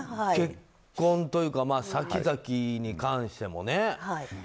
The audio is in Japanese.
結婚というか先々に関してもね。